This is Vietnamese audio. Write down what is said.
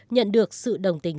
nhận được sự đồng tình